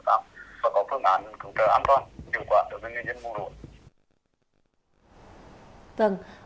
và có phương án cứu trợ an toàn điều quản đối với người dân vùng lũ